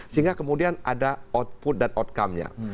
sehingga kemudian ada output dan outcome nya